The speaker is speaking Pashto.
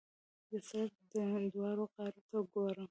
د سړک دواړو غاړو ته ګورم.